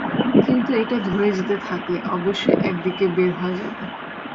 কিন্তু এটা ধরে যেতে থাকলে অবশ্যই একদিকে বের হওয়া যাবে।